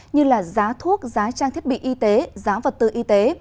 như là giá thuốc giá trang thiết bị y tế giá vật tư y tế